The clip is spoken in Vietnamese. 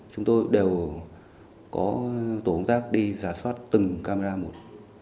chúng tôi đều có tổng tác đi rà soát từng camera một